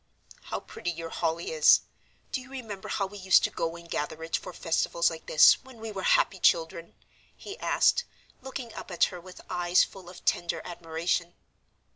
"How pretty your holly is! Do you remember how we used to go and gather it for festivals like this, when we were happy children?" he asked, looking up at her with eyes full of tender admiration.